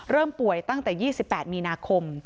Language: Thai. ป่วยตั้งแต่๒๘มีนาคม